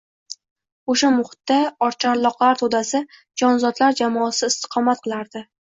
O‘sha muhitda oqcharloqlar To‘dasi — jonzotlar jamoasi istiqomat qilardi.